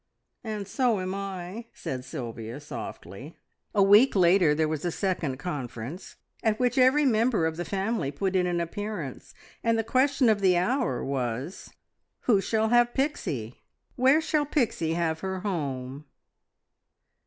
"And so am I!" said Sylvia softly. A week later there was a second conference, at which every member of the family put in an appearance, and the question of the hour was, "Who shall have Pixie? Where shall Pixie have her home?"